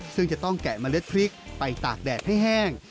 ซึ่งจะต้องแกะเมล็ดพริกไปตากแดดให้แห้ง